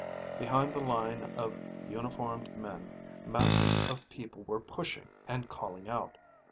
Behind the line of uniformed men, masses of people were pushing and calling out.